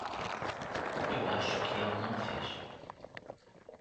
Eu acho que ele não fez.